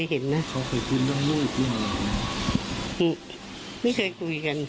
เห้อไม่เคยคุยกัน